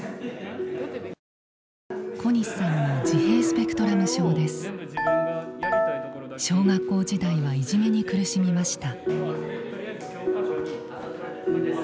実は小西さんも自閉スペクトラム症です。小学校時代はいじめに苦しみました。